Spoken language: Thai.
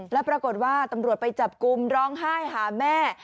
แล้วปรากฏว่าตำรวจไปจับกลุ่มร้องไห้หาแม่